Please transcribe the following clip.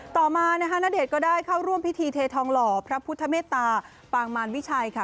ต่อมานะคะณเดชน์ก็ได้เข้าร่วมพิธีเททองหล่อพระพุทธเมตตาปางมารวิชัยค่ะ